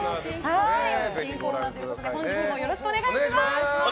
新コーナーということで本日もよろしくお願いいたします。